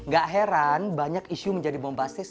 gak heran banyak isu menjadi bombastis